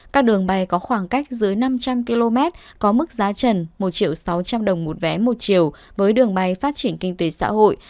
các đường bay có khoảng cách dưới năm trăm linh km có mức giá trần một sáu trăm linh đồng một vé một chiều với đường bay phát triển kinh tế xã hội